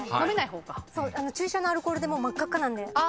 注射のアルコールでもう真っ赤っかなんで。